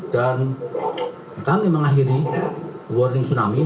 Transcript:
dan kami mengakhiri warning tsunami